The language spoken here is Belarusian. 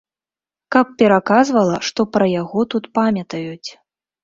Каб пераказвала, што пра яго тут памятаюць.